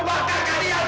masa deh pak